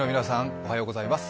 おはようございます。